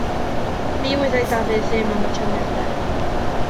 Ni wyddai Dafydd ddim am y trefniadau.